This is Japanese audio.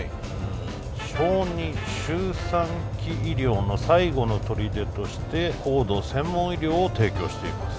小児周産期医療の最後のとりでとして高度専門医療を提供しています。